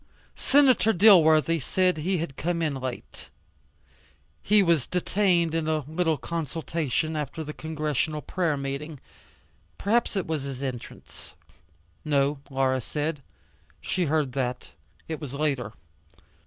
Senator Dilworthy said he had come in late. He was detained in a little consultation after the Congressional prayer meeting. Perhaps it was his entrance. No, Laura said. She heard that. It was later.